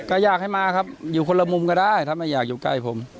ก็อยากให้มาครับอยู่คนละมุมก็ได้ถ้าไม่อยากอยู่ใกล้ผม